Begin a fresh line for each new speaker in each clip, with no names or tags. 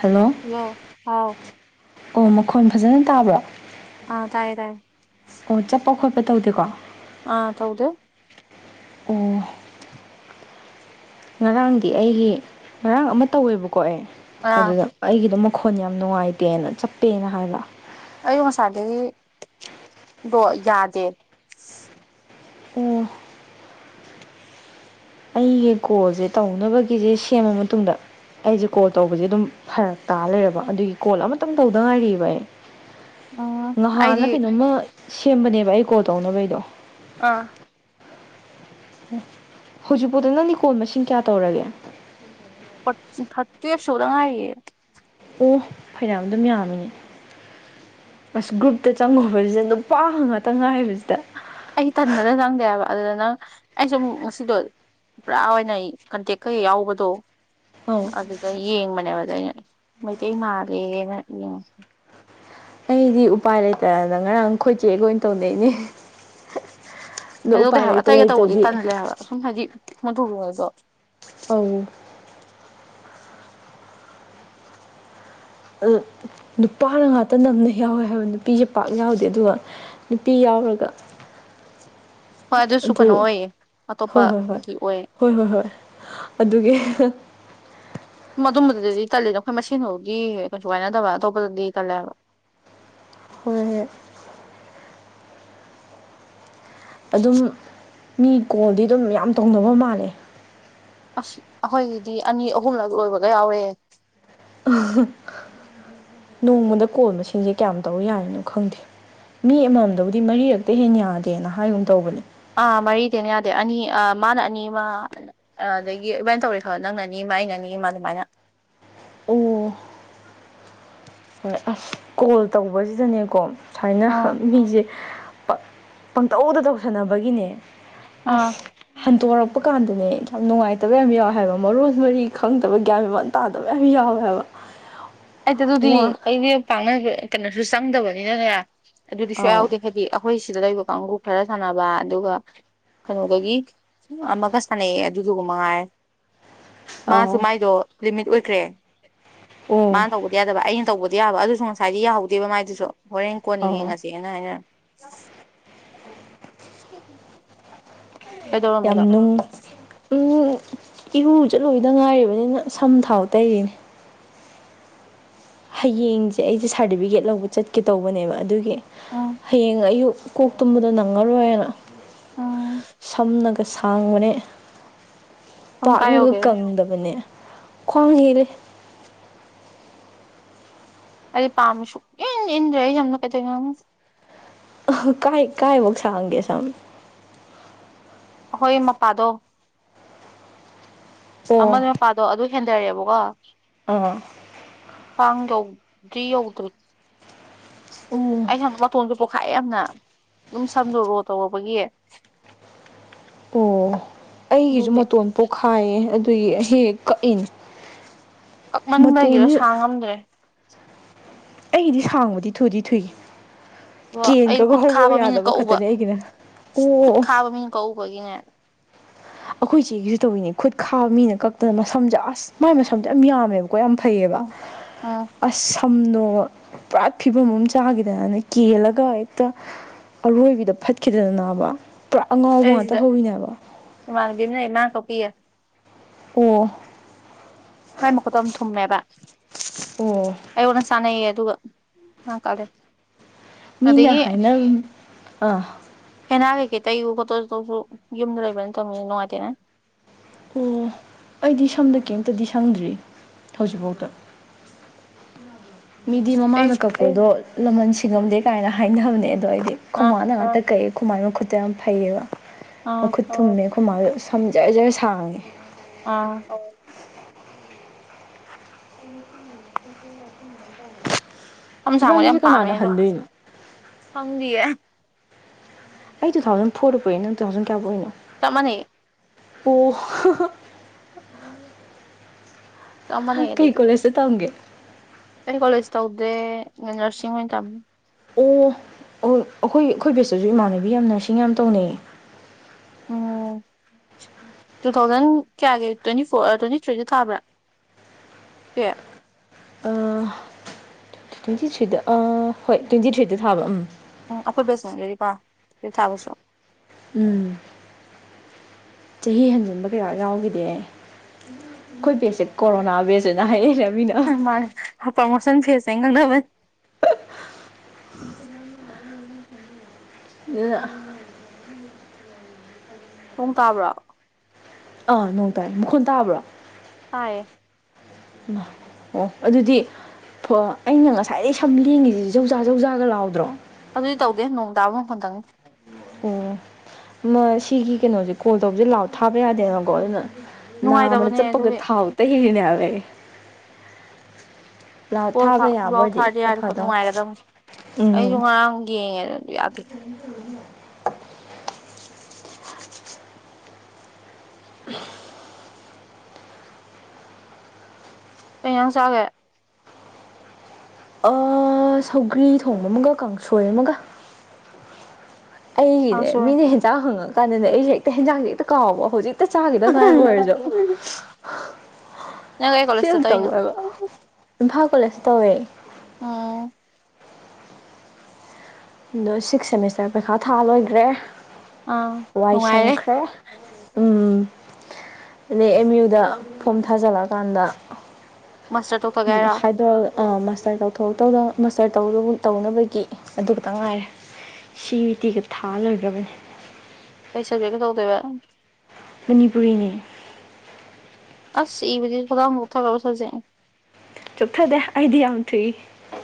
Hello
hello ꯍꯥꯎ
ꯑꯣ ꯃꯈꯣꯟ ꯐꯖꯅ ꯇꯥꯕ꯭ꯔꯣ
ꯑ ꯇꯥꯏꯌꯦ ꯇꯥꯏꯌꯦ
ꯑꯣ ꯆꯠꯄ ꯈꯣꯠꯄ ꯇꯧꯗꯦꯀꯣ
ꯑꯥ ꯇꯧꯗꯦ
ꯑꯣ ꯉꯔꯥꯡꯗꯤ ꯑꯩꯒꯤ ꯉꯔꯥꯡ ꯑꯃ ꯇꯧꯋꯦꯕꯀꯣ ꯑꯩ
ꯑꯥ
ꯑꯗꯨꯗ ꯑꯩꯒꯤꯗꯣ ꯃꯈꯣꯟ ꯌꯥꯝ ꯅꯨꯡꯉꯥꯏꯇꯦꯅ ꯆꯞꯄꯦꯅ ꯍꯥꯏꯕ
ꯑꯌꯨꯛ ꯉꯁꯥꯏꯗꯒꯤꯗꯣ ꯌꯥꯗꯦ
ꯎꯝ [unintelligible] ꯑꯩꯒꯤ ꯀꯣꯜꯁꯦ ꯇꯧꯅꯕꯒꯤꯁꯦ ꯁꯦꯝꯃ ꯃꯇꯨꯡꯗ ꯑꯩꯁꯦ ꯀꯣꯜ ꯇꯧꯕꯁꯦ ꯑꯗꯨꯝ ꯐꯔꯛ ꯇꯥ ꯂꯩꯔꯕ ꯑꯗꯨꯒꯤ ꯀꯣꯜ ꯑꯃꯇꯪ ꯇꯧꯗ ꯉꯥꯏꯔꯤꯕ ꯑꯩ
ꯎꯝ ꯑꯩꯗꯤ
ꯉꯍꯥꯟꯅ ꯀꯩꯅꯣꯝꯃ ꯁꯦꯝꯕꯅꯦꯕ ꯑꯩ ꯀꯣꯜ ꯇꯧꯅꯕꯩꯗꯣ
ꯑꯥ
ꯑꯣ ꯍꯧꯖꯤꯛꯐꯥꯎꯗ ꯅꯪꯗꯤ ꯀꯣꯜ ꯃꯁꯤꯡ ꯀꯌꯥ ꯇꯧꯔꯒꯦ꯫
ꯐꯣꯔꯠ ꯎꯝ ꯊꯥꯔꯠ ‌ꯇꯨꯋ꯭‌ꯦꯚ ꯁꯨꯗꯉꯥꯏꯔꯤꯌꯦ꯫
ꯑꯣ ꯐꯩꯅꯥꯝ ꯑꯗꯨꯝ ꯌꯥꯝꯃꯤꯅꯦ꯫ ꯑꯁ ꯒ꯭ꯔꯨꯞꯇ ꯆꯪꯉꯨꯕꯁꯤꯗ ꯅꯨꯄꯥ ꯉꯥꯛꯇ ꯉꯥꯏꯕꯁꯤꯗ꯫
ꯑꯩ ꯇꯟꯗꯅ ꯆꯪꯗꯦ ꯍꯥꯏꯕ ꯑꯗꯨꯗ ꯅꯪ ꯑꯩꯁꯨ ꯑꯃꯨꯛ ꯉꯁꯤꯗꯣ꯫ ꯄꯨꯔꯥ ꯑꯣꯏꯅ ꯑꯩ ꯀꯟꯇꯦꯛꯀꯩ ꯌꯥꯎꯕꯗꯣ꯫
ꯑꯧ
ꯑꯗꯨꯗ ꯌꯦꯡꯕꯅꯦꯕꯗ ꯑꯩꯅ ꯃꯩꯇꯩ ꯃꯥꯜꯂꯦꯅ ꯌꯦꯡꯉꯁꯦ꯫
ꯑꯩꯗꯤ ꯎꯄꯥꯏ ꯂꯩꯇꯗꯅ ꯉꯔꯥꯡ ꯈꯣꯏꯆꯦꯒ ꯑꯣꯏꯅ ꯇꯧꯅꯩꯅꯦ꯫ ꯑꯗꯣ
ꯀꯩꯗꯧꯗꯦ
ꯎꯄꯥꯏ
ꯍꯥꯏꯕ
ꯂꯩꯇ
ꯑꯇꯩꯒ ꯇꯧꯕꯗꯤ
ꯂꯩꯇ꯭ꯔꯗꯤ
ꯇꯜꯂꯦ ꯍꯥꯏꯕ ꯑꯁꯨꯝ ꯍꯥꯏꯗꯤ ꯃꯗꯨ꯫ [unintelligible]
ꯑꯥꯎ꯫ ꯑ ꯅꯨꯄꯥꯅ ꯉꯥꯛꯇ ꯅꯝꯅ ꯌꯥꯎꯋꯦ ꯍꯥꯏꯕ ꯅꯨꯄꯤꯁꯦ ꯄꯥꯛ ꯌꯥꯎꯗꯦ ꯑꯗꯨꯒ꯫ ꯅꯨꯄꯤ ꯌꯥꯎꯔꯒ꯫
ꯍꯣꯏ ꯑꯗꯨꯁꯨ
ꯑꯗꯨ
ꯀꯩꯅꯣ ꯑꯣꯏꯌꯦ
ꯍꯣꯏ ꯍꯣꯏ ꯍꯣꯏ
ꯑꯇꯣꯞꯄꯒꯤ ꯑꯣꯏ꯫
ꯍꯣꯏ ꯍꯣꯏ ꯍꯣꯏ ꯑꯗꯨꯒꯤ꯫
ꯑꯗꯨꯝꯃꯗꯗꯤ ꯇꯜꯂꯤꯗ ꯑꯩꯈꯣꯏ ꯃꯁꯦꯟ ꯑꯣꯏꯕꯒꯤ ꯀꯩꯁꯨ ꯍꯥꯏꯅꯗꯕ ꯑꯇꯣꯞꯄꯗꯗꯤ ꯇꯜꯂꯦꯕ꯫
ꯍꯣꯏ ꯍꯦ꯫ ꯑꯗꯨꯝ ꯃꯤ ꯀꯣꯜꯗꯤ ꯑꯗꯨꯝ ꯃꯌꯥꯝ ꯇꯧꯅꯕ ꯃꯥꯜꯂꯦ꯫
ꯑꯁ ꯑꯩꯈꯣꯏꯒꯤꯗꯤ ꯑꯅꯤ ꯑꯍꯨꯝꯂꯛ ꯂꯣꯏꯕꯒ ꯌꯥꯎꯔꯦꯍꯦ꯫
ꯑ-ꯍ ꯅꯣꯡꯃꯗ ꯀꯣꯜ ꯃꯁꯤꯡꯁꯦ ꯀꯌꯥꯝ ꯇꯧ ꯌꯥꯏꯅꯣ ꯈꯪꯗꯦ꯫ ꯃꯤ ꯑꯃꯃꯝꯗꯕꯨꯗꯤ ꯃꯔꯤꯔꯛꯇꯩ ꯍꯦꯟꯅ ꯌꯥꯗꯦꯅ ꯍꯥꯏꯒꯨꯝ ꯇꯧꯕꯅꯤ꯫
ꯑꯥ ꯃꯔꯤꯗ ꯍꯦꯟꯅ ꯌꯥꯗꯦ ꯑꯅꯤ ꯑ ꯃꯥꯅ ꯑꯅꯤ ꯑꯃ꯫ ꯑ ꯑꯗꯒꯤ ꯏꯕꯥꯅꯤ ꯇꯧꯔꯦ ꯈꯜ ꯅꯪꯅ ꯑꯅꯤ ꯑꯃ ꯑꯩꯅ ꯑꯅꯤ ꯑꯃꯥ ꯑꯗꯨꯃꯥꯏꯅ꯫
ꯑꯣ ꯑꯁ ꯀꯣꯜ ꯇꯧꯕꯁꯤꯗꯅꯦꯀꯣ ꯁꯨꯃꯥꯏꯅ
ꯑꯥ
ꯃꯤꯁꯦ꯫ ꯄ ꯄꯪꯇꯧꯗ ꯇꯧꯁꯟꯅꯕꯒꯤꯅꯦ
ꯑꯥ
ꯑꯁ꯫ ꯍꯟꯇꯣꯔꯛꯄ ꯀꯥꯟꯗꯅꯦ ꯌꯥꯝ ꯅꯨꯡꯉꯥꯏꯇꯕ ꯌꯥꯝ ꯌꯥꯎꯋꯦ ꯍꯥꯏꯕ ꯃꯔꯣꯟ ꯃꯔꯤ ꯈꯪꯗꯕ ꯒ꯭ꯌꯥꯟ꯫ [unintelligible] ꯇꯥꯗꯕ ꯌꯝ ꯌꯥꯎꯋꯦ ꯍꯥꯏꯕ꯫
ꯑꯩꯗ ꯑꯗꯨꯗꯤ
ꯋꯥ
ꯑꯩꯗꯤ ꯄꯥꯛꯅ ꯀꯩꯅꯣꯁꯨ ꯆꯪꯗꯕꯅꯤꯅꯅꯦ ꯑꯗꯨꯗꯤ
ꯑꯧ
ꯁꯨꯌꯥꯎꯗꯦ ꯍꯥꯏꯗꯤ꯫ ꯑꯩꯈꯣꯏ ꯁꯤꯗ ꯂꯩꯕ ꯀꯥꯡꯕꯨ ꯈꯔ ꯁꯥꯟꯅꯕ ꯑꯗꯨꯒ꯫ ꯀꯩꯅꯣꯗꯒꯤ ꯑꯃꯒ ꯁꯥꯟꯅꯩꯑꯦ ꯑꯗꯨꯗꯨꯒ ꯃꯉꯥꯏꯔꯦ꯫ ꯃꯥꯁꯨ
ꯑꯧ
ꯃꯥꯏꯗꯣ ꯂꯤꯃꯤꯠ ꯑꯣꯏꯈ꯭ꯔꯦ꯫
ꯑꯣ
ꯃꯥꯅ ꯇꯧꯕꯗꯤ ꯌꯥꯗꯕ ꯑꯩꯅ ꯇꯧꯕꯗꯤ ꯌꯥꯕ ꯑꯗꯨꯁꯨ ꯉꯁꯥꯏꯗꯤ ꯌꯥꯍꯧꯗꯦꯕ ꯃꯥꯏꯗꯨꯁꯨ꯫ ꯍꯣꯔꯦꯟ ꯀꯣꯟꯅ
ꯑꯧ
ꯌꯦꯡꯉꯁꯦꯅ ꯍꯥꯏꯅ꯫ ꯎꯝꯝ꯫ [inaudible]
ꯌꯥꯝ ꯅꯨꯡ꯫ ꯎꯝ ꯏꯔꯨꯖ ꯂꯣꯏꯗ ꯉꯥꯏꯔꯤꯕꯅꯤꯅ ꯁꯝ ꯊꯥꯎ ꯇꯩꯔꯤꯅꯦ꯫ ꯍꯌꯦꯡꯁꯦ ꯑꯩꯁꯦ ꯁꯥꯔꯇꯤꯐꯤꯀꯦꯠ ꯂꯧꯕ ꯆꯠꯀꯦ ꯇꯧꯕꯅꯦꯕ ꯑꯗꯨꯒꯤ꯫
ꯎꯝ
ꯍꯌꯦꯡ ꯑꯌꯨꯛ ꯀꯣꯛ ꯇꯨꯝꯕꯗꯣ ꯅꯪꯉꯔꯣꯏꯅ꯫
ꯎꯝ
ꯁꯝꯅꯒ ꯁꯥꯡꯕꯅꯦ꯫
ꯁꯝ ꯀꯥꯏ
ꯄꯥꯛꯅꯒ
ꯌꯧꯒꯦ
ꯀꯪꯗꯕꯅꯦ ꯈ꯭ꯋꯥꯡ ꯍꯦꯜꯂꯦ
ꯑꯩ ꯄꯥꯝꯃꯤꯁꯨ ꯏꯟ ꯏꯟꯗ꯭ꯔꯦ ꯑꯩ ꯁꯝ ꯗꯣ ꯀꯩꯗꯧꯅꯣ ꯈꯪ
ꯑ ꯍ ꯀꯥꯏ ꯀꯥꯏꯕꯧ ꯁꯥꯡꯒꯦ ꯁꯝ
ꯑꯍꯣꯏ ꯃꯄꯥꯗꯣ ꯑꯃ
ꯑꯣ
ꯃꯄꯥꯗꯣ ꯑꯗꯨ ꯍꯦꯟꯗꯔꯦꯕꯀꯣ
ꯑꯥ
ꯈ꯭ꯋꯥꯡ ꯌꯧꯗ꯭ꯔꯤ ꯌꯧꯗ꯭ꯔꯤ
ꯎꯝ
ꯑꯩ ꯁꯪ ꯄꯣꯁꯨ ꯄꯣꯛꯈꯥꯏ ꯌꯥꯝꯅ ꯑꯗꯨꯝ ꯁꯝꯗꯣ ꯔꯣ ꯇꯧꯔꯨꯕꯒꯤ
ꯑꯣ ꯑꯩꯒꯤꯁꯨ
ꯑꯗꯨꯒꯤ
ꯃꯇꯣꯟ ꯄꯣꯛꯈꯥꯏꯌꯦ ꯑꯗꯨꯒꯤ ꯑꯩ ꯀꯛꯏꯅꯤ
ꯀꯛꯃꯟꯕꯒꯤꯔ ꯁꯥꯡꯉꯝꯗ꯭ꯔꯦ
ꯑꯩꯒꯤꯗꯤ ꯁꯥꯡꯕꯗꯤ ꯊꯨꯗꯤ ꯊꯨꯏ
ꯑꯗꯣ ꯑꯩ
ꯀꯦꯟꯒ꯭ꯔꯒ
ꯈꯨꯠ ꯈꯥꯕ
ꯍꯧꯔꯛꯑꯣ
ꯃꯤꯅ
ꯌꯥꯗꯕ
ꯀꯛꯎꯕ
ꯈꯛꯇꯅꯦ ꯑꯩꯒꯤꯅ ꯑꯣ ꯑꯣ
ꯈꯨꯠ
ꯑꯣ
ꯈꯥꯕ ꯃꯤꯅ ꯀꯛꯎꯕꯒꯤꯅꯦ
ꯑꯈꯣꯏ ꯆꯦꯒꯤꯁꯨ ꯇꯧꯋꯤꯅꯦ ꯈꯨꯠ ꯈꯥꯕ ꯃꯤꯅ ꯀꯛꯇꯅ ꯃꯁꯝꯁꯦ ꯑꯁ ꯃꯥꯏ ꯃꯁꯝꯁꯦ ꯌꯥꯝ ꯌꯥꯝꯃꯦꯕ ꯀꯣ ꯌꯥꯝ ꯐꯩꯌꯦꯕ
ꯎꯝ ꯎꯝ
ꯑꯁ ꯁꯝꯗꯣ ꯄꯨꯔꯥ ꯐꯤꯕꯝ ꯑꯃ ꯆꯥꯈꯤꯗꯅꯅ ꯀꯦꯜꯂꯒ ꯍꯦꯛꯇ ꯑꯔꯣꯏꯕꯤꯗ ꯐꯠꯈꯤꯗꯗꯅꯕ ꯄꯨꯔꯥ ꯑꯉꯥꯎꯕ
ꯑꯩ
ꯉꯥꯛꯇ
ꯁꯤꯗ
ꯍꯧꯔꯤꯅꯦꯕ
ꯏꯃꯥꯟꯅꯕꯤ ꯑꯃꯥ ꯂꯩ ꯃꯅꯥ ꯀꯛꯄꯤꯌꯦ
ꯑꯣ
ꯃꯥꯏ ꯃꯈꯨꯠꯇꯣ ꯌꯥꯝ ꯊꯨꯝꯃꯦꯕ
ꯑꯣ
ꯑꯩꯉꯣꯟꯗ ꯆꯥꯟꯅꯩꯌꯦ ꯑꯗꯨꯒ ꯃꯅꯥ ꯀꯛꯂꯦ
ꯃꯤꯅ
ꯑꯗꯒꯤ
ꯍꯥꯏꯅ ꯑꯥ
ꯍꯦꯟꯅꯥ ꯀꯩ ꯀꯩ ꯇꯩ [unintelligible] ꯌꯨꯝꯗ ꯂꯩꯕ ꯅꯠꯇꯕꯅꯤꯅ ꯅꯨꯡꯉꯥꯏꯇꯦꯅ
ꯑꯣ ꯑꯩꯗꯤ ꯁꯝꯗ ꯀꯔꯤꯝꯇꯗꯤ ꯁꯪꯗ꯭ꯔꯤ ꯍꯧꯖꯤꯛꯐꯎꯗ ꯃꯤꯗꯤ
ꯑꯩ
ꯃꯃꯥꯅ ꯀꯛꯄꯗꯣ ꯂꯃꯟ ꯁꯤꯉꯝꯗꯦ ꯀꯥꯏꯅ ꯍꯥꯏꯅꯕꯅꯦ ꯑꯗꯣ ꯑꯩꯗꯤ
ꯑ
ꯈꯣꯃꯥꯅ ꯉꯥꯛꯇ ꯀꯛꯑꯦ ꯈꯣꯏꯃꯥ ꯃꯈꯨꯠꯇꯣ ꯌꯥꯝ ꯐꯩꯌꯦꯕ
ꯑꯥ
ꯃꯈꯨꯠ ꯊꯨꯝꯃꯦ ꯈꯣꯏꯃꯥꯗꯨ ꯁꯝ ꯖꯔ ꯖꯔ ꯁꯥꯡꯉꯦ
ꯑꯥ
[inaudible]
ꯁꯝ ꯁꯥꯡꯕꯗꯤ ꯌꯥꯝ ꯄꯥꯝꯃꯦ
ꯀꯅꯥꯅ
ꯑꯗꯣ
ꯍꯟꯗꯣꯏꯅꯣ
ꯈꯪꯗꯤꯌꯦ
ꯑꯩ ꯇꯨ ꯊꯥꯎꯖꯟ ꯐꯣꯔꯗ ꯄꯣꯛꯏ ꯅꯪ ꯇꯨ ꯊꯥꯎꯖꯟ ꯀꯌꯥꯗ ꯄꯣꯛꯏꯅꯣ
ꯆꯞ ꯃꯥꯟꯅꯩꯌꯦ
ꯑꯣ
ꯆꯞ ꯃꯥꯟꯅꯩ
ꯀꯩ ꯀꯣꯂꯦꯖ ꯇ ꯇꯝꯒꯦ
ꯑꯩꯗꯤ ꯀꯣꯂꯦꯖ ꯇꯧꯗꯦ ꯅ꯭ꯔꯁꯤꯡ ꯑꯣꯏꯟ ꯇꯝꯃꯤ
ꯑꯣ ꯑꯣ ꯑꯈꯣꯏ ꯑꯈꯣꯏ ꯕꯦꯁꯇꯁꯨ ꯏꯃꯥꯟꯅꯕꯤ ꯌꯥꯝꯅ ꯅꯔꯁꯤꯡ ꯌꯥꯝ ꯇꯧꯅꯩꯌꯦ
ꯎꯝ
[inaudible]
ꯇꯨ ꯊꯥꯎꯖꯟ ꯀꯌꯥꯒꯤ ꯇ꯭ꯋꯦꯟꯇꯤ ꯐꯣꯔ ꯇ꯭ꯋꯦꯟꯇꯤ ꯊ꯭ꯔꯤꯗ ꯊꯕ꯭ꯔꯥ ꯇ꯭ꯋꯦꯞ
ꯑꯥ ꯇ꯭ꯋꯦꯟꯇꯤ ꯊ꯭ꯔꯤꯗ ꯑꯥ ꯍꯣꯏ ꯇ꯭ꯋꯦꯟꯇꯤ ꯊ꯭ꯔꯤꯗ ꯊꯥꯕ ꯎꯝ
ꯎꯝ ꯑꯈꯣꯏꯕꯦꯁ [unintelligible] ꯇꯨꯋꯦꯞ ꯊꯥꯕꯁꯨ
ꯎꯝ ꯆꯍꯤ ꯍꯟꯖꯤꯟꯕ ꯀꯩꯌꯥ ꯌꯥꯎꯈꯤꯗꯦ ꯑꯩ ꯈꯣꯏ ꯕꯦꯁꯁꯦ ꯀꯣꯔꯣꯅꯥ ꯕꯦꯁꯅ ꯍꯥꯏꯅꯩꯅꯦ ꯃꯤꯅ
ꯎꯝ ꯃꯥꯅꯦ ꯄ꯭ꯔꯃꯣꯁꯟ ꯐꯦꯁꯅ ꯉꯥꯡꯅꯕꯅꯦ
[unintelligible]
ꯅꯣꯡ ꯇꯥꯕ꯭ꯔꯣ
ꯑꯥ ꯅꯣꯡ ꯇꯥꯏ ꯃꯈꯨꯟ ꯇꯕ꯭ꯔꯣ
ꯇꯥꯏꯌꯦ
ꯏꯃꯥ ꯑꯣ ꯑꯗꯨꯗꯤ ꯐꯣ ꯑꯩꯅ ꯉꯁꯥꯏꯗꯒꯤ ꯁꯝ ꯂꯦꯡꯉꯤꯖꯤ ꯖꯧꯖꯥ ꯖꯧꯖꯥꯒ ꯂꯥꯎꯗ꯭ꯔꯣ
ꯑꯗꯨꯗꯤ ꯇꯧꯗꯦ ꯅꯣꯡ ꯇꯥꯕ ꯃꯈꯣꯟ ꯇꯪꯅꯤ
ꯃꯁꯤꯒꯤ ꯀꯩꯅꯣꯖꯦ ꯀꯣꯜ ꯇꯧꯕꯖꯦ ꯂꯥꯎꯠ ꯊꯥꯕ ꯌꯥꯗꯦꯕꯀꯣ ꯑꯗꯨꯅ ꯅꯥꯝꯃꯅꯥ
ꯅꯨꯡꯉꯥꯏꯇꯕꯅꯦ
ꯆꯞꯄꯒ
ꯑꯗꯨꯒꯤ
ꯊꯥꯎ ꯇꯩꯔꯤꯅꯦ ꯍꯥꯏꯕ ꯑꯩ ꯂꯥꯎ
ꯀꯣꯜ ꯊꯥ
ꯊꯥꯕ
ꯂꯥꯎꯠ
ꯌꯥꯕꯗꯤ
ꯊꯥꯔꯗꯤ
ꯈꯔ
ꯌꯥꯔꯗꯤ ꯐꯗꯧ
ꯐꯗꯧꯅꯤ
ꯅꯨꯡꯉꯥꯏꯒꯗꯧꯅꯤ ꯑꯩꯁꯨ
ꯎꯝ
ꯉꯔꯥꯡ ꯌꯦꯡꯉꯦ ꯌꯥꯗꯦ
[unintelligible]
ꯀꯩ ꯑꯩꯉꯥꯡ ꯆꯥꯒꯦ
ꯑꯥ ꯁꯧꯒ꯭ꯔꯤ ꯊꯣꯡꯕ ꯑꯃꯒ ꯀꯥꯡꯁꯣꯏ ꯑꯃꯒ ꯑꯩꯒꯤꯅꯦ
ꯀꯥꯡꯁꯣꯏ
ꯃꯤꯅ ꯍꯦꯟꯖꯥꯡ ꯍꯪꯉꯀꯥꯟꯗꯅꯦ ꯑꯩꯖꯦ ꯍꯦꯛꯇ ꯍꯦꯟꯖꯥꯡꯁꯦ ꯍꯦꯛꯇ ꯀꯥꯎꯕ ꯍꯧꯖꯤꯛ ꯇ ꯆꯥꯒꯤꯗ ꯉꯥꯏꯕ ꯑꯣꯏꯔꯖꯨ
ꯅꯪ ꯑꯩ ꯀꯣꯂꯦꯖ ꯇ ꯇꯧꯏꯅꯣ
ꯏꯝꯐꯥꯜ ꯀꯣꯂꯦꯖ ꯇ ꯇꯧꯋꯦ
ꯑꯣ
ꯅꯣ ꯁꯤꯛꯁ ꯁꯦꯃꯤꯁꯇꯔ ꯄꯩꯈꯥ ꯊꯥ ꯂꯣꯏꯒ꯭ꯔꯦ
ꯑꯥ
ꯋꯥꯏ
ꯅꯨꯡꯉꯥꯏꯔꯦ
ꯁꯪꯈ꯭ꯔꯦ ꯎꯝ ꯑꯅꯦ ꯑꯦꯝ ꯌꯨꯗ ꯐꯣꯝ ꯊꯥꯖꯜꯂꯑꯀꯥꯟꯗ
ꯃꯁꯇꯔ ꯇꯧ__
ꯎꯝ ꯍꯥꯏꯗꯣꯜ ꯑꯥ ꯃꯥꯁꯇꯔ ꯇꯧꯊꯣꯛꯇꯧꯗ ꯃꯥꯁꯇꯔ ꯇꯧꯅꯕ ꯇꯧꯅꯕꯒꯤ ꯑꯗꯨ ꯈꯛꯇ ꯉꯥꯏꯔꯦ ꯁꯤ ꯏ ꯇꯤꯒ ꯊꯥ ꯂꯣꯏꯒ꯭ꯔꯕꯅꯦ
ꯀꯩ ꯁꯕꯖꯦꯛꯇ ꯇꯧꯗꯣꯏꯕ
ꯃꯅꯤꯄꯨꯔꯤꯅꯤ
ꯑꯁ ꯏꯕꯗꯤ ꯈꯨꯗꯥꯡ ꯆꯣꯛꯊꯒꯗꯧ ꯁꯕꯖꯦꯛꯅꯤ
ꯆꯣꯛꯊꯗꯦ ꯑꯩꯗꯤ ꯌꯥꯝ ꯊꯨꯏ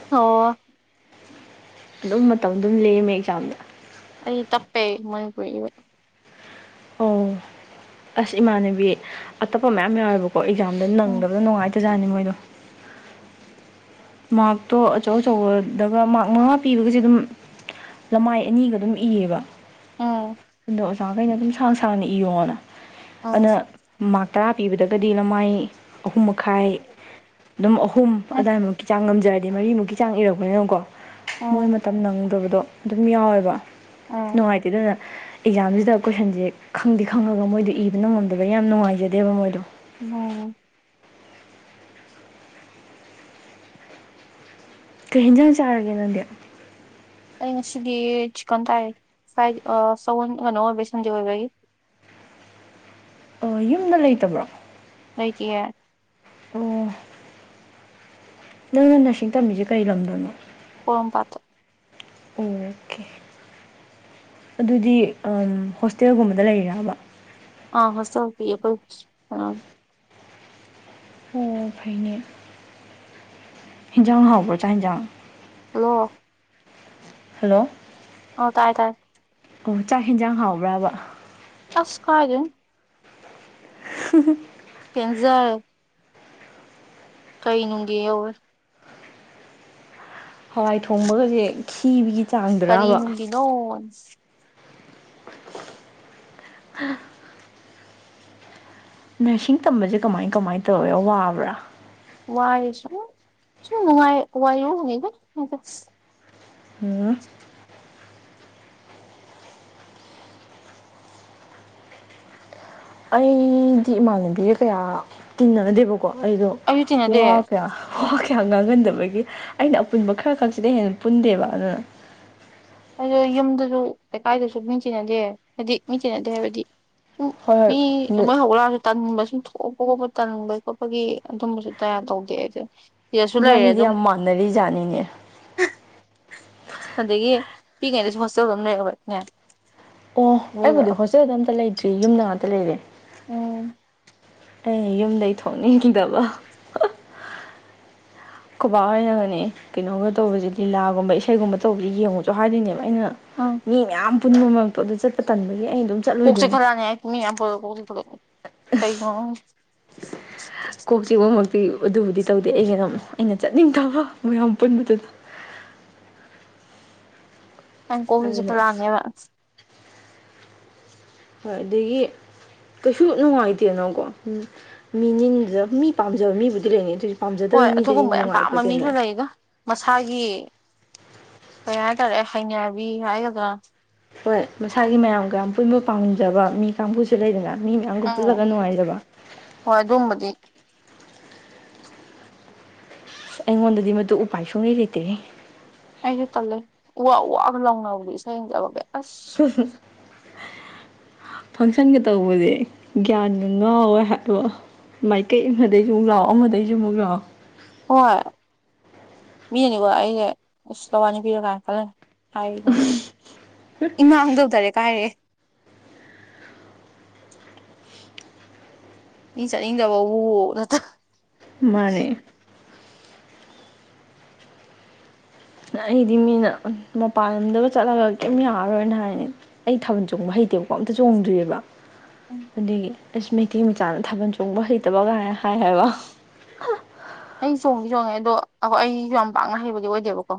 ꯑꯣ
ꯑꯗꯨꯝ ꯃꯇꯝ ꯑꯗꯨꯝ ꯂꯝꯃꯦ ꯑꯦꯛꯖꯥꯝꯗ
ꯑꯩ ꯇꯞꯄꯦ ꯃꯅꯤꯄꯨꯔꯤ ꯏꯕ
ꯑꯣ ꯑꯁ ꯏꯃꯥꯟꯅꯕꯤ ꯑꯇꯞꯄ ꯃꯌꯥꯝ ꯌꯥꯎꯋꯦꯕ__ ꯀꯣ ꯑꯦꯛꯖꯥꯝꯗ
ꯎꯝ
ꯅꯪꯗꯕꯗꯣ ꯅꯨꯡꯉꯥꯏꯇꯖꯥꯠꯅꯤ ꯃꯣꯏꯗꯣ ꯃꯥꯛꯇꯣ ꯑꯆꯧ ꯑꯆꯧꯕꯗꯒ ꯃꯥꯛ ꯃꯉꯥ ꯄꯤꯕꯒꯖꯦ ꯑꯗꯨꯝ ꯂꯃꯥꯏ ꯑꯅꯤꯒ ꯑꯗꯨꯝ ꯏꯌꯦꯕ
ꯑꯥ
ꯑꯗꯣ ꯑꯣꯖꯥꯒꯩꯅ ꯑꯗꯨꯝ ꯁꯥꯡ ꯁꯥꯡꯅ ꯏꯌꯣꯅ
ꯎꯝ
ꯑꯅꯥ ꯃꯥꯛ ꯇꯔꯥ ꯄꯤꯕꯗꯒꯗꯤ ꯅꯃꯥꯏ ꯑꯍꯨꯝ ꯃꯈꯥꯏ ꯑꯗꯨꯝ ꯑꯍꯨꯝ
ꯎꯝ
ꯑꯗꯥꯏꯃꯨꯛꯀꯤ ꯆꯥꯡ ꯉꯝꯖꯔꯗꯤ ꯃꯔꯤꯃꯨꯛꯀꯤ ꯆꯥꯡ ꯏꯔꯛꯄꯅꯤꯅꯀꯣ ꯃꯣꯏ
ꯎꯝ
ꯃꯇꯝ ꯅꯪꯗꯕꯗꯣ ꯑꯗꯨꯝ ꯌꯥꯎꯋꯦꯕ
ꯎꯝ
ꯅꯨꯡꯉꯥꯏꯇꯦ ꯑꯗꯨꯅ ꯑꯦꯛꯖꯥꯝꯖꯤꯗ ꯀꯣꯏꯁꯟꯖꯦ ꯈꯪꯗꯤ ꯈꯪꯉꯒ ꯃꯣꯏꯗꯣ ꯏꯕ ꯅꯪꯉꯝꯗꯕꯩ ꯌꯥꯝ ꯅꯨꯡꯉꯥꯏꯖꯗꯦꯕ ꯃꯣꯏꯗꯣ
ꯅꯣ
ꯀꯩ ꯍꯦꯟꯖꯥꯡ ꯆꯥꯔꯒꯦ ꯅꯪꯗꯤ
ꯑꯩ ꯉꯁꯤꯗꯤ ꯆꯤꯛꯀꯟ ꯇꯥꯏ ꯐ꯭ꯔꯥꯏ ꯑꯥ ꯁꯥꯒꯣꯟ ꯀꯅꯣ ꯑꯣꯏꯕꯩ ꯁꯟꯗꯦ ꯑꯣꯏꯕꯒꯤ
ꯑꯥ ꯌꯨꯝꯗ ꯂꯩꯇꯕ꯭ꯔꯣ
ꯂꯩꯇꯤꯌꯦ
ꯑꯣ ꯅꯪꯅ ꯅꯔꯁꯤꯡ ꯇꯝꯃꯤꯖꯦ ꯀꯔꯤ ꯂꯝꯗꯅꯣ
ꯄꯣꯔꯣꯝ ꯄꯥꯠꯇ
ꯑꯣꯈꯦ ꯑꯗꯨꯗꯤ ꯑꯝ ꯍꯣꯁꯇꯦꯜꯒꯨꯝꯕꯗ ꯂꯩꯔꯤꯔꯕ
ꯑꯥ ꯍꯣꯁꯇꯦꯜ ꯄꯤ ꯑꯈꯣꯏ [unintelligible]
ꯑꯣ ꯐꯩꯅꯦ ꯍꯤꯟꯖꯥꯡ ꯍꯥꯎꯕ꯭ꯔꯥ ꯆꯥ ꯍꯤꯟꯖꯥꯡ
ꯍꯜꯂꯣ
ꯍꯂꯣ
ꯑꯣ ꯇꯥꯏ ꯇꯥꯏ
ꯑꯣ ꯆꯥꯛ ꯍꯤꯟꯖꯥꯡ ꯍꯥꯎꯕ꯭ꯔꯥꯕ
ꯑꯁ ꯀꯩꯗꯩꯟ
[unintelligible]
ꯄꯦꯟꯖꯥꯔꯦ ꯀꯩ ꯅꯨꯡꯒꯤ ꯌꯧꯋꯦ
ꯍꯋꯥꯏ ꯊꯣꯡꯕꯒꯖꯦ ꯈꯤꯕꯤꯒꯤ
ꯀꯔꯤꯅꯨꯡꯒꯤꯅꯣꯟ
ꯍꯥ ꯅꯔꯁꯤꯡ ꯇꯝꯕꯖꯦ ꯀꯃꯥꯏ ꯀꯃꯥꯏꯟ ꯇꯧꯋꯦ ꯋꯥꯕ꯭ꯔꯥ
ꯋꯥꯏ ꯁꯨ ꯁꯨꯝ ꯅꯨꯡꯉꯥꯏ ꯋꯥꯏꯌꯨꯅꯤꯗ [unintelligible]
[unintelligible] ꯑꯩꯗꯤ ꯏꯃꯥꯟꯅꯕꯤꯒꯥ ꯀꯌꯥ ꯇꯤꯟꯅꯗꯦꯕꯀꯣ ꯑꯩꯗꯣ
ꯑꯩꯁꯨ ꯇꯤꯟꯅꯗꯦ
ꯋꯥ ꯀꯌꯥ ꯋꯥ ꯀꯌꯥ ꯉꯥꯡꯒꯟꯗꯕꯒꯤ ꯑꯩꯅ ꯑꯄꯨꯟꯕ ꯈꯔ ꯈꯛꯁꯤꯗꯥ ꯍꯦꯟꯅ ꯄꯨꯟꯗꯦꯕ ꯑꯗꯨꯅ
ꯑꯩꯗꯣ ꯌꯨꯝꯗꯁꯨ ꯂꯩꯀꯥꯏꯗꯁꯨ ꯃꯤ ꯆꯦꯟꯅꯗꯦ ꯍꯥꯏꯗꯤ ꯃꯤ ꯆꯦꯟꯅꯗꯦ ꯍꯥꯏꯕꯗꯤ ꯁꯨꯝ ꯃꯤ
ꯍꯣꯏ ꯍꯣꯏ
ꯑꯃ ꯍꯧ ꯂꯥꯁꯨ ꯇꯟꯕ ꯁꯨꯝ ꯊꯣꯛꯄ ꯈꯣꯠꯄ ꯇꯟꯕ ꯈꯣꯠꯄꯒꯤ ꯑꯗꯨꯝꯕꯁꯨ ꯇꯌꯥ ꯇꯧꯗꯦ ꯑꯩꯗꯣ
ꯏꯕꯥꯅꯤꯗꯤ ꯌꯥꯝ ꯃꯥꯟꯅꯔꯤꯖꯥꯅꯤꯅꯦ
ꯍꯁ ꯑꯗꯒꯤ ꯄꯤꯏꯉꯩꯗꯁꯨ ꯍꯣꯁꯇꯦꯜꯗꯥ ꯑꯗꯨꯝ ꯂꯩꯔꯕꯩ ꯅꯦ
ꯑꯣ ꯑꯩꯕꯨꯗꯤ ꯍꯣꯁꯇꯦꯜꯗꯥ ꯑꯝꯇꯥ ꯂꯩꯇ꯭ꯔꯤ ꯌꯨꯝꯗꯥ ꯉꯥꯛꯇꯥ ꯂꯩꯔꯦ
ꯑꯣ
ꯑꯩꯅ ꯌꯨꯝꯗꯩ ꯊꯣꯛꯅꯤꯡꯗꯕ ꯈꯣꯕꯥ ꯍꯣꯏꯅꯒꯥꯅꯦ ꯀꯩꯅꯣꯒꯥ ꯇꯧꯕꯖꯦ ꯂꯤꯂꯥꯒꯨꯝꯕ ꯏꯁꯩꯒꯨꯝꯕ ꯇꯧꯕꯖꯤ ꯌꯦꯡꯉꯨꯆꯣ ꯍꯥꯏꯗꯣꯏꯅꯦꯕ ꯑꯩꯅ
ꯑꯪ
ꯃꯤ ꯃꯌꯥꯝ ꯄꯨꯟꯕ ꯃꯔꯛꯇꯣ ꯑꯗꯨ ꯆꯠꯄ ꯇꯟꯕꯒꯤ ꯑꯩ ꯑꯗꯨꯝ
ꯀꯣꯛ
ꯆꯠꯂꯣꯏꯗꯣꯏꯅꯦ
ꯆꯤꯛꯈꯠ ꯂꯛꯑꯥꯅꯤ ꯑꯩ ꯃꯤ ꯃꯌꯥꯝ ꯄꯨꯟꯂꯥ ꯀꯣꯛ ꯆꯤꯛꯈꯠꯂꯦ ꯀꯩꯒꯤꯅꯣ ꯈꯪꯗꯦ
ꯆꯤꯛꯄ ꯃꯛꯇꯤ ꯑꯗꯨꯕꯨꯗꯤ ꯇꯧꯗꯦ ꯑꯩꯒꯤꯅ ꯑꯩꯅ ꯆꯠꯅꯤꯡꯗꯕ ꯃꯌꯥꯝ ꯄꯨꯟꯕꯗꯨꯗ
ꯑꯩꯟ ꯀꯣꯛꯁꯤ
ꯑꯗꯨꯅ
ꯆꯤꯛꯈꯠ ꯂꯛꯑꯅꯤꯕ
ꯍꯣꯏ ꯑꯗꯥꯒꯤ ꯀꯩꯁꯨ ꯅꯨꯡꯉꯥꯏꯇꯦꯅꯀꯣ ꯎꯝ ꯃꯤꯅꯤꯟꯗꯨ ꯃꯤ ꯄꯥꯝꯖꯕ ꯃꯤꯕꯨꯗꯤ ꯂꯩꯅꯤ ꯑꯗꯨꯏ
ꯍꯣꯏ ꯑꯗꯨꯒꯨꯝꯕ ꯌꯥꯝ ꯄꯥꯝꯕ ꯃꯤꯁꯨ ꯂꯩꯗꯥ ꯃꯁꯥꯒꯤ ꯀꯩ ꯍꯥꯏꯇꯥꯔꯦ ꯍꯩꯅꯕꯤ ꯍꯥꯏꯒꯗ꯭ꯔꯥ
ꯍꯣꯏ ꯃꯁꯥꯒꯤ ꯃꯌꯥꯝ ꯒꯥꯌꯥꯝ ꯄꯨꯟꯕ ꯄꯥꯝꯖꯕ ꯃꯤ ꯀꯥꯡꯕꯨꯁꯨ ꯂꯩꯗꯅ ꯃꯤ ꯃꯌꯥꯝꯒꯥ
ꯑꯥ
ꯄꯨꯜꯂꯒꯥ ꯅꯨꯡꯉꯥꯏꯖꯕ
ꯍꯣꯏ ꯑꯗꯨꯝꯕꯗꯤ
ꯑꯩꯉꯣꯟꯗꯥꯗꯤ ꯃꯗꯨ ꯎꯄꯥꯏ ꯁꯨꯡꯂꯩ ꯂꯩꯇꯦꯍꯦ
ꯑꯩꯖꯨ ꯇꯜꯂꯦ ꯎ ꯋꯥ ꯎ ꯋꯥꯒ ꯂꯥꯎꯅꯕꯗꯣ ꯏꯁꯩ ꯌꯦꯡꯗꯕꯒꯩ ꯑꯁ
[unintelligible] ꯐꯪꯁꯟꯒꯥ ꯇꯧꯕꯖꯦ ꯒ꯭ꯌꯥꯟꯒꯥ ꯉꯥꯎꯋꯦ ꯍꯥꯏꯕ ꯃꯥꯏꯀꯩ ꯏꯃꯗꯩꯖꯨ ꯑꯃꯨꯛ ꯂꯥꯎ ꯑꯃ ꯗꯩꯖꯨ ꯃꯨꯛ ꯂꯥꯎ
ꯍꯣꯏ ꯃꯤꯅꯗꯤꯀꯣ ꯑꯩꯁꯦ ꯑꯁ ꯂꯋꯥꯏ ꯅꯨꯄꯤꯅꯤꯔꯥ ꯀꯥꯏꯅ ꯈꯜꯂꯝꯅꯤ ꯍꯥꯏꯒ ꯏꯃꯥꯡꯗ ꯗꯥꯏꯔꯦꯛꯀ ꯍꯥꯏꯔꯛꯑꯦ ꯃꯤ ꯆꯠꯅꯤꯡꯗꯕꯕꯨ ꯅꯠꯇ꯭ꯔꯥ
ꯃꯥꯅꯦ ꯑꯩꯗꯤ ꯃꯤꯅ ꯃꯄꯥꯟ ꯂꯝꯗꯒ ꯆꯠꯂꯒ ꯀꯤꯝ ꯌꯥꯔꯔꯣꯏꯅ ꯍꯥꯏꯅ‌ꯦ ꯑꯩ ꯊꯥꯕꯜ ꯆꯣꯡꯕ ꯍꯩꯇꯦꯕꯀꯣ ꯑꯝꯇ ꯆꯣꯡꯗ꯭ꯔꯤꯕ ꯑꯗꯨꯒꯤ ꯑꯁ ꯃꯩꯇꯩ ꯃꯆꯥꯅ ꯊꯥꯕꯜ ꯆꯣꯡꯕ ꯍꯩꯇꯕ ꯀꯥꯏꯅ ꯍꯥꯏ ꯍꯥꯏꯕ
ꯑꯩ ꯆꯣꯡꯗꯤ ꯆꯣꯡꯉꯦ ꯑꯗꯣ ꯑꯩꯈꯣꯏ ꯑꯩꯁꯨ ꯌꯥꯝ ꯄꯥꯛꯅ ꯍꯩꯕꯗꯤ ꯑꯣꯏꯗꯦꯕꯀꯣ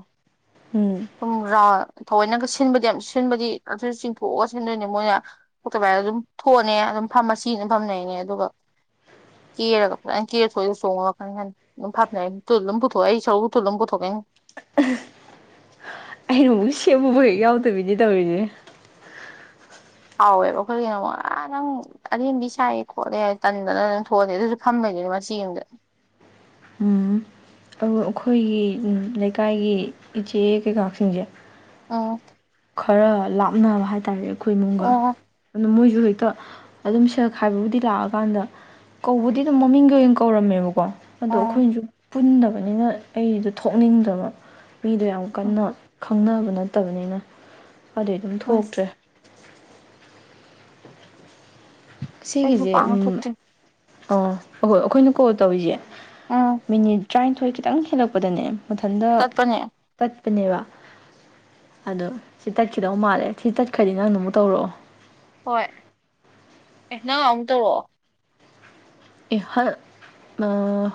ꯎꯝ
ꯁꯨꯝ ꯔꯥꯎꯔ ꯊꯑꯣꯏꯅꯒ ꯁꯤꯟꯕꯗꯤ ꯌꯥꯝ ꯁꯤꯟꯕꯗꯤ ꯑꯗꯨ ꯆꯤꯡꯊꯣꯛꯑꯒ ꯁꯤꯟꯗꯣꯏꯅꯦ ꯃꯣꯏꯅ ꯊ‌ꯣꯛꯇꯕ ꯍꯥꯏꯔꯁꯨ ꯑꯗꯨꯝ ꯊꯣꯛꯑꯅꯤ ꯑꯗꯨꯝ ꯐꯝꯃ ꯃꯆꯤ ꯑꯃꯗ ꯐꯝꯔꯩꯔꯅꯤ ꯑꯗꯨꯒ ꯀ‌ꯦꯔꯒ ꯐꯖꯅ ꯀ‌ꯦꯔꯥꯒ ꯊꯣꯛ ꯑꯦ ꯑꯗꯨꯒ ꯆꯣꯡꯕꯒꯤ ꯋꯥꯈꯟ ꯈꯟꯗ‌ꯦ ꯑꯗꯨꯝ ꯐꯝ ꯂꯩꯔꯅꯤ ꯇꯨꯜꯑꯃ ꯄꯨꯊꯣꯛꯑꯒ ꯑꯩ ꯁꯔꯨꯛ ꯇꯨꯜ ꯑꯃ ꯄꯨꯊꯣꯛꯑꯅꯤ
ꯑꯩꯅ ꯑꯃꯨꯛ ꯁꯦꯝꯕꯕꯨ ꯍꯦꯛ ꯌꯥꯎꯗꯕꯤꯅꯤ ꯇꯧꯔꯤꯁꯦ
ꯆꯥꯎꯋꯦꯕ ꯑꯩꯈꯣꯏꯒꯤꯅ ꯑꯃꯨꯛ ꯑꯥ ꯅꯪ ꯑꯔꯦꯝꯕꯤ ꯁꯥꯏꯌꯦ ꯈꯣꯠꯂꯦ ꯇꯟꯗꯅ ꯑꯗꯨꯝ ꯊꯣꯛꯑꯅꯤ ꯑꯗꯨꯁꯨ ꯐꯝꯗ‌ꯣꯏꯅꯦ ꯃꯆꯤ ꯑꯃꯗ
ꯑꯝ ꯑꯗꯨ ꯑꯩꯈꯣꯏꯒꯤ ꯂꯩꯀꯥꯏꯒꯤ ꯏꯆꯦ ꯀꯩꯀꯥꯁꯤꯡꯁꯦ
ꯑꯝ
ꯈꯔ ꯂꯥꯞꯅꯕ ꯍꯥꯏ ꯇꯥꯔꯦ ꯑꯩꯈꯣꯏ ꯏꯃꯨꯡꯒ
ꯑꯣ
ꯑꯗꯨꯝ ꯃꯣꯏꯁꯨ ꯍꯦꯛꯇ ꯑꯗꯨꯝ ꯁꯦꯜ ꯈꯥꯏꯕꯕꯨꯗꯤ ꯂꯥꯛꯑꯀꯥꯟꯗ ꯀꯧꯕꯕꯨꯗꯤ ꯑꯗꯨꯝ ꯃꯃꯤꯡꯒꯤ ꯑꯣꯏꯅ ꯀꯧꯔꯝꯃꯦꯕꯀꯣ ꯑꯗꯣ
ꯑꯣ
ꯑꯩꯈꯣꯏꯅꯁꯨ ꯄꯨꯟꯗꯕꯅꯤꯅ ꯑꯩꯗꯣ ꯊꯣꯛꯅꯤꯡꯗꯕ ꯃꯤꯗꯣ ꯌꯥꯝ
ꯎꯝ
ꯀꯟꯅ ꯈꯪꯅꯕ ꯅꯠꯇꯕꯅꯤꯅ ꯑꯗꯩ ꯑꯗꯨꯝ
ꯎꯝ
ꯊꯣꯛꯇ꯭ꯔꯦ
ꯑꯩꯁꯨ
ꯁꯤꯒꯤꯁꯦ
ꯄꯥꯛꯅ
ꯎꯝ
ꯊꯣꯛꯇꯦ
ꯑ ꯑꯈꯣꯏ ꯑꯩꯈꯣꯏꯅ ꯀꯣꯜ ꯇꯧꯔꯤꯁꯦ
ꯎꯝ
ꯃꯤꯅꯤꯠ ꯇ꯭ꯔꯥꯅꯤꯊꯣꯏ ꯈꯤꯇꯪ ꯍꯦꯜꯂꯛꯄꯗꯅꯦ ꯃꯊꯟꯇ
ꯇꯠꯄꯅꯦ
ꯇꯠꯄꯅꯦꯕ ꯑꯗꯣ ꯁꯤ ꯇꯠꯈꯤꯗꯧ ꯃꯥꯜꯂꯦ ꯁꯤ ꯇꯠꯈ꯭ꯔꯥꯗꯤ ꯅꯪ ꯑꯃꯨꯛ ꯇꯧꯔꯛꯑꯣ
ꯍꯣꯏ ꯑꯦ ꯅꯪ ꯑꯃꯨꯛ ꯇꯧꯔꯛꯑꯣ
ꯑꯦ ꯍꯜ ꯑꯥ